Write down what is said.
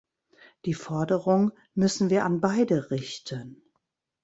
Die Forderung müssen wir an beide richten!